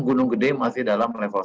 gunung gede masih dalam level satu